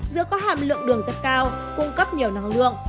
giữa có hàm lượng đường rất cao cung cấp nhiều năng lượng